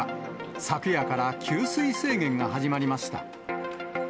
昨夜から給水制限が始まりました。